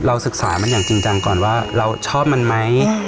ศึกษามันอย่างจริงจังก่อนว่าเราชอบมันไหม